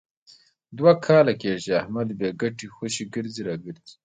دوه کاله کېږي، چې احمد بې ګټې خوشې ګرځي را ګرځي.